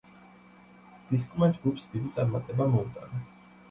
დისკმა ჯგუფს დიდი წარმატება მოუტანა.